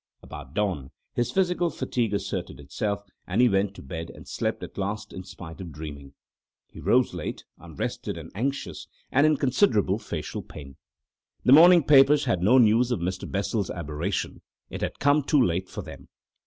About dawn, his physical fatigue asserted itself, and he went to bed and slept at last in spite of dreaming. He rose late, unrested and anxious, and in considerable facial pain. The morning papers had no news of Mr. Bessel's aberration—it had come too late for them.